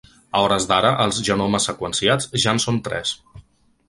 A hores d’ara els genomes seqüenciats ja en són tres.